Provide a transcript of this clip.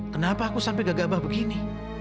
kenapa aku sampai gegabah begini